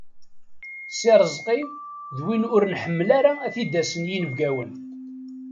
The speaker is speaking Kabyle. Si Rezqi d win ur nḥemmel ara ad t-id-asen yinebgawen.